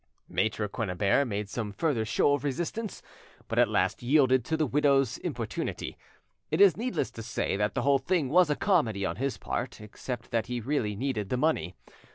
Maitre Quennebert made some further show of resistance, but at last yielded to the widow's importunity. It is needless to say that the whole thing was a comedy on his part, except that he really needed the money.